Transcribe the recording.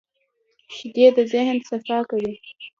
شیدې د ذهن صفا کوي